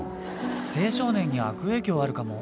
青少年に悪影響あるかも。